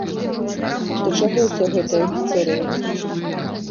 Да чаго ўся гэтая гісторыя?